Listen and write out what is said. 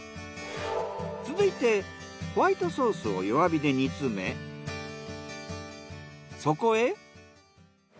続いてホワイトソースを弱火で煮詰めそこへ。